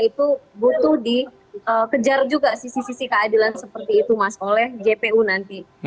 itu butuh dikejar juga sisi sisi keadilan seperti itu mas oleh jpu nanti